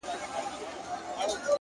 • بدكارمو كړی چي وركړي مو هغو ته زړونه؛